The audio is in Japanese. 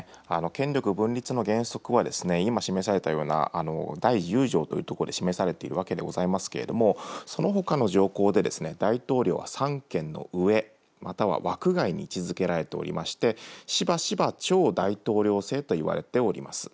権力分立の原則は、今、示されたような、第１０条というところで示されているわけですけれども、そのほかの条項で、大統領は三権の上、または枠外に位置づけられておりまして、しばしば超大統領制といわれております。